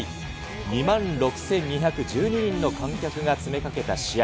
２万６２１２人の観客が詰めかけた試合。